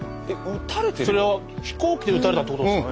それは飛行機で撃たれたってことですかね？